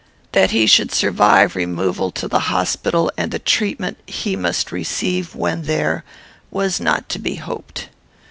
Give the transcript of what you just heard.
That he should survive removal to the hospital, and the treatment he must receive when there, was not to be hoped.